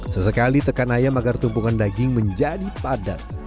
sesekali tekan ayam agar tumpukan daging menjadi padat